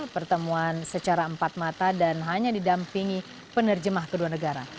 pertemuan secara empat mata dan hanya didampingi penerjemah kedua negara